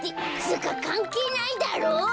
つうかかんけいないだろう。